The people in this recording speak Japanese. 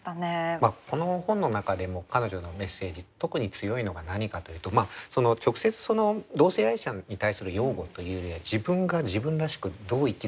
この本の中でも彼女のメッセージ特に強いのが何かというと直接その同性愛者に対する擁護というよりは自分が自分らしくどう生きるべきなのか。